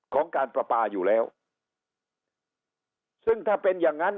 ของการประปาอยู่แล้วซึ่งถ้าเป็นอย่างนั้น